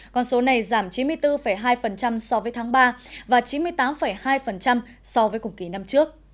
con số này giảm chín mươi bốn hai so với tháng ba và chín mươi tám hai so với cùng kỳ năm trước